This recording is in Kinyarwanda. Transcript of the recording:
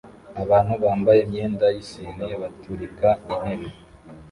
Abantu bambaye imyenda yisine baturika intebe